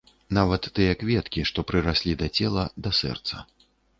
Нават тыя кветкі, што прыраслі да цела, да сэрца.